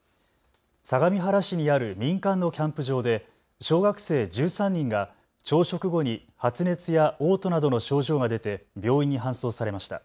相模原市にある民間のキャンプ場で小学生１３人が朝食後に発熱やおう吐などの症状が出て病院に搬送されました。